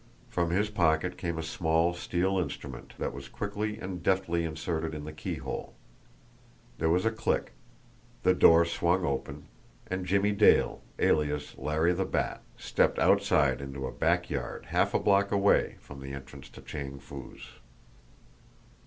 From his pocket came a small steel instrument that was quickly and deftly inserted in the keyhole. There was a click, the door swung open, and Jimmie Dale, alias Larry the Bat, stepped outside into a back yard half a block away from the entrance to Chang Foo's.